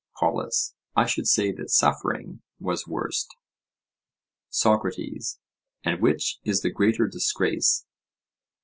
POLUS: I should say that suffering was worst. SOCRATES: And which is the greater disgrace?